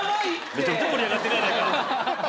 めちゃくちゃ盛り上がってるやないか！